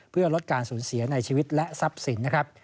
เพื่อลดการสูญเสียในชีวิตและทรัพย์สินนะครับ